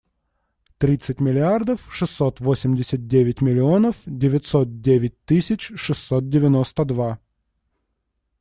Тридцать миллиардов шестьсот восемьдесят девять миллионов девятьсот девять тысяч шестьсот девяносто два.